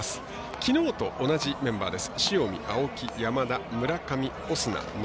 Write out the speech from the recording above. きのうと同じメンバーです。